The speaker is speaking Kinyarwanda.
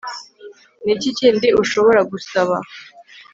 Ni iki kindi ushobora gusaba